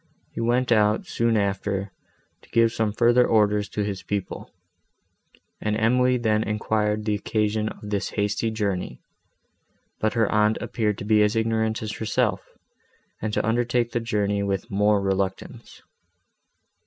He went out, soon after, to give some further orders to his people, and Emily then enquired the occasion of this hasty journey; but her aunt appeared to be as ignorant as herself, and to undertake the journey with more reluctance.